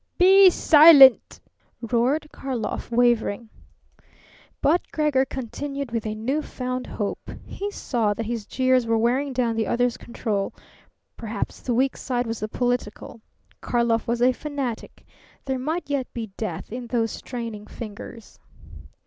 "Be silent!" roared Karlov, wavering. But Gregor continued with a new found hope. He saw that his jeers were wearing down the other's control. Perhaps the weak side was the political. Karlov was a fanatic. There might yet be death in those straining fingers.